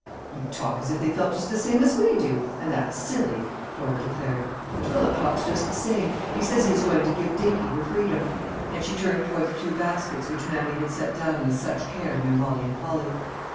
"You talk as if they felt just the same as we do, and that's silly," Flora declared; "but Philip talks just the same. He says he is going to give Dinkie her freedom," and she turned toward the two baskets which Mammy had set down with such care near Molly and Polly.